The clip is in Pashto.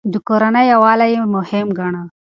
د کورنۍ يووالی يې مهم ګاڼه.